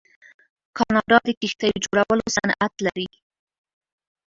کاناډا د کښتیو جوړولو صنعت لري.